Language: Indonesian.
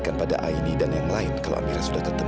saking panicnya memikirkan amira sudah out fit